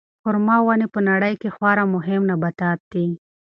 خورما ونې په نړۍ کې خورا مهم نباتات دي.